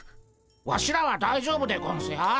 ワシらは大丈夫でゴンスよ。